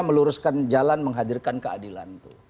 meluruskan jalan menghadirkan keadilan